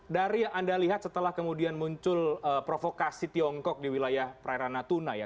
dari yang anda lihat setelah kemudian muncul provokasi tiongkok di wilayah perairan natuna ya